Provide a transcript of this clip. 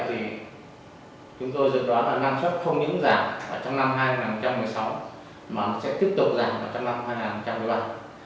thì chúng tôi dự đoán là năng suất không những giảm trong năm hai nghìn một mươi sáu mà sẽ tiếp tục giảm vào trong năm hai nghìn một mươi bảy